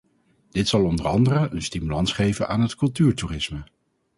Dit zal onder andere een stimulans geven aan het cultuurtoerisme.